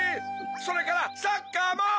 それからサッカーも！